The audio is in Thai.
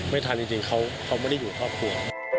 ไม่ทันจริงเขาไม่ได้อยู่ครอบครัว